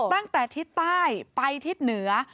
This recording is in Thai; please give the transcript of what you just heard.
ตั้งแต่ทิศใต้ไปทิศเหนือ